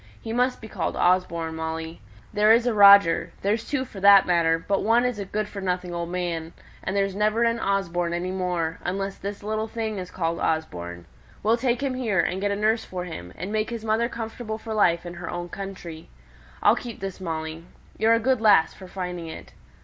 He must be called Osborne, Molly. There is a Roger there's two for that matter; but one is a good for nothing old man; and there's never an Osborne any more, unless this little thing is called Osborne; we'll have him here, and get a nurse for him; and make his mother comfortable for life in her own country. I'll keep this, Molly. You're a good lass for finding it.